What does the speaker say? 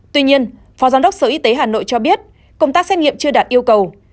tuy nhiên phó giám đốc sở y tế hà nội cho biết công tác xét nghiệm chưa đạt yêu cầu